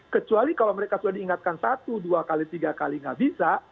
kecuali kalau mereka sudah diingatkan satu dua kali tiga kali nggak bisa